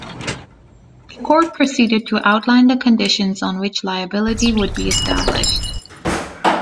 The court proceeded to outline the conditions on which liability would be established.